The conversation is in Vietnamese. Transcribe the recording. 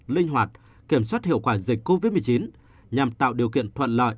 linh hoạt kiểm soát hiệu quả dịch covid một mươi chín nhằm tạo điều kiện thuận lợi